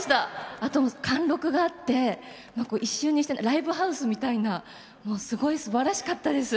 あと、貫禄があって一瞬にしてライブハウスみたいなすごいすばらしかったです。